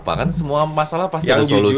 bahkan semua masalah pasti ada solusinya